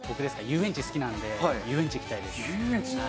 遊園地好きなんで、遊園地行きた遊園地？